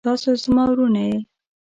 تاسو زما وروڼه يې.